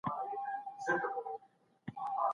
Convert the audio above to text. احمد شاه ابدالي د اوبو لګولو سیستم څنګه جوړ کړ؟